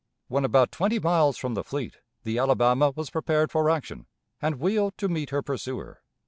When about twenty miles from the fleet, the Alabama was prepared for action, and wheeled to meet her pursuer.